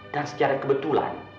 dan secara kebetulan